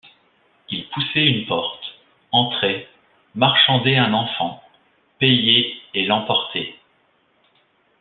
Ils poussaient une porte, entraient, marchandaient un enfant, payaient et l’emportaient.